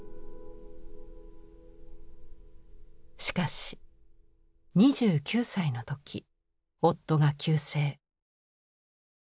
しかし２９歳の時夫が急逝。